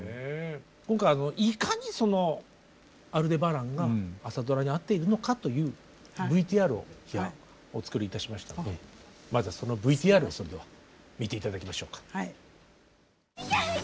今回いかにその「アルデバラン」が朝ドラに合っているのかというＶＴＲをお作りいたしましたのでまずはそのＶＴＲを見て頂きましょうか。